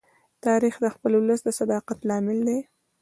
تاریخ د خپل ولس د صداقت لامل دی.